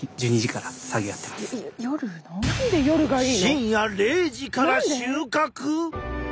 深夜０時から収穫！？